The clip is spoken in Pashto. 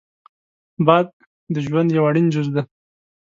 باد د ژوند یو اړین جز دی